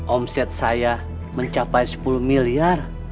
omset saya mencapai sepuluh miliar